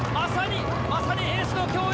まさにエースの競演。